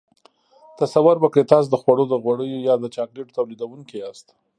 تصور وکړئ تاسو د خوړو د غوړیو یا د چاکلیټو تولیدوونکي یاست.